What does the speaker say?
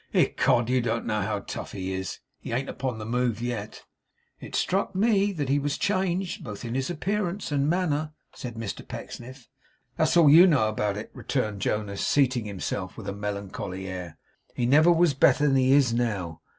'Ecod, you don't know how tough he is. He ain't upon the move yet.' 'It struck me that he was changed, both in his appearance and manner,' said Mr Pecksniff. 'That's all you know about it,' returned Jonas, seating himself with a melancholy air. 'He never was better than he is now.